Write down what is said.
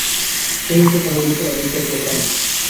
Film کے producer Aditya Chopra ہیں۔